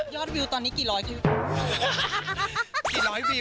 ยอดวิวตอนนี้กี่ร้อย